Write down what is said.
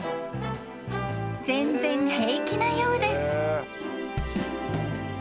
［全然平気なようです］